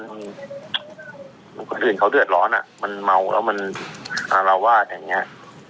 คนอื่นเขาเดือดร้อนอ่ะมันเมาแล้วมันอารวาสอย่างนี้